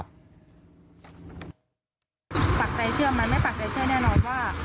ปากใจเชื่อไหมไม่ปากใจเชื่อแน่นอนว่า